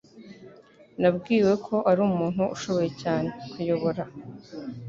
Nabwiwe ko ari umuntu ushoboye cyane (_kuyobora)